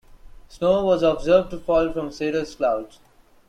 Snow was observed to fall from cirrus clouds.